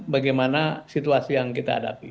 bagaimana situasi yang kita hadapi